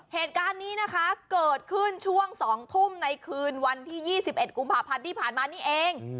เหตุการณ์นี้นะคะเกิดขึ้นช่วง๒ทุ่มในคืนวันที่๒๑กุมภาพันธ์ที่ผ่านมานี่เอง